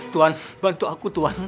tuan bantu aku tuan